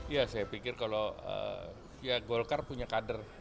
ya saya pikir kalau ya golkar punya kader